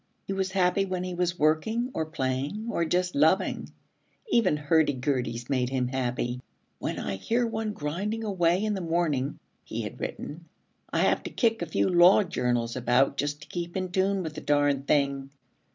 He was happy when he was working or playing or just loving. Even hurdy gurdys made him happy. 'When I hear one grinding away in the morning,' he had written, 'I have to kick a few Law Journals about just to keep in tune with the darn thing.'